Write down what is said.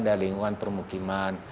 bukan lingkungan permukiman